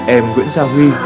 em nguyễn gia huy